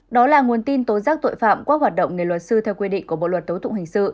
đó là nguồn tin tố giác tội phạm qua hoạt động nghề luật sư theo quy định của bộ luật tố tụng hình sự